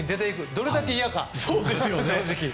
どれだけ嫌か、正直。